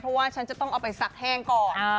เพราะว่าฉันจะต้องเอาไปซักแห้งก่อน